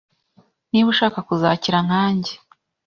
niba ushaka kuzakira nkanjye